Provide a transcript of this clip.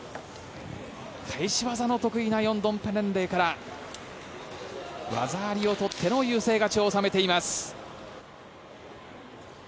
返し技の得意なヨンドンペレンレイから技ありを取っての優勢勝ちを収めています。